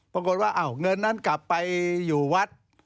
ปรากฏว่าเงินนั้นกลับไปอยู่วัด